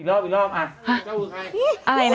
รอบอีกรอบอ่ะเจ้าคือใคร